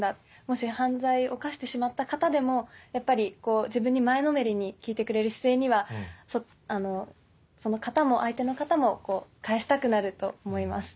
もし犯罪犯してしまった方でもやっぱり自分に前のめりに聞いてくれる姿勢にはその方も相手の方もこう返したくなると思います。